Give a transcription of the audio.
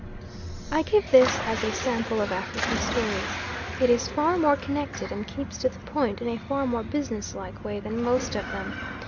I give this as a sample of African stories. It is far more connected and keeps to the point in a far more business like way than most of them.